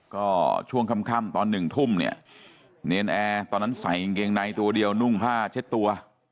ก็ช่วงค่ำตอน๑ทุ่มเนี่ยเนรนแอร์ตอนนั้นใส่กางเกงในตัวเดียวนุ่งผ้าเช็ดตัว